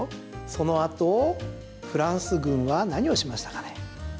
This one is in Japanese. そのあとフランス軍は何をしましたかね？